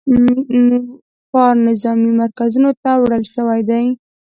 نوښار نظامي مرکزونو ته وړل شوي دي